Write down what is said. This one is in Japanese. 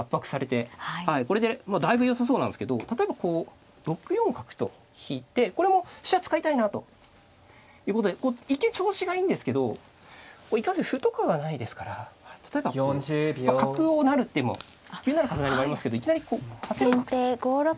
これでだいぶよさそうなんですけど例えばこう６四角と引いてこれも飛車使いたいなあということで一見調子がいいんですけどいかんせん歩とかがないですから例えば角を成る手も９七角成もありますけどいきなりこう８六角と。